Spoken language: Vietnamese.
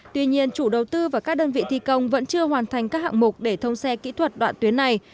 tuy nhiên chủ đầu tư và các đơn vị thi công vẫn chưa hoàn thành các hạng mục để thông xe kỹ thuật đoạn tuyến này